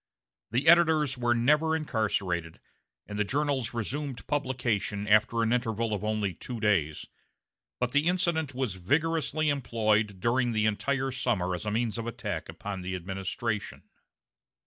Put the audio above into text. The editors were never incarcerated, and the journals resumed publication after an interval of only two days, but the incident was vigorously employed during the entire summer as a means of attack upon the administration.